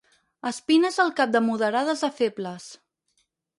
Espines del cap de moderades a febles.